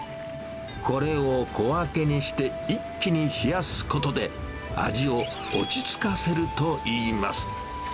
これを小分けにして、一気に冷やすことで、味を落ち着かせるといいます。